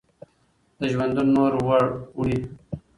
د ژوندون نور وړی